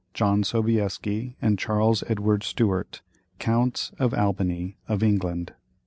JOHN SOBIESKI AND CHARLES EDWARD STUART, "COUNTS OF ALBANY," OF ENGLAND.